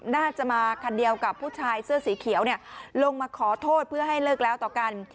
น่าจะมาคันเดียวกับผู้ชายเสื้อสีเขียวเนี่ยลงมาขอโทษเพื่อให้เลิกแล้วต่อกัน